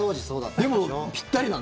でも、ぴったりだね